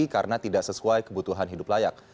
karena tidak sesuai kebutuhan hidup layak